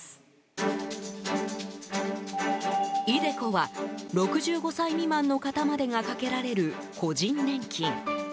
ｉＤｅＣｏは６５歳未満の方までがかけられる個人年金。